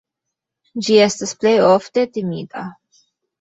Ĝi estas plej ofte timida.